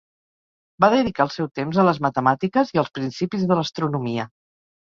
Va dedicar el seu temps a les matemàtiques i als principis de l'astronomia.